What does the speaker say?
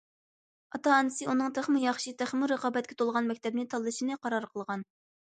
ئاتا- ئانىسى ئۇنىڭ تېخىمۇ ياخشى، تېخىمۇ رىقابەتكە تولغان مەكتەپنى تاللىشىنى قارار قىلغان.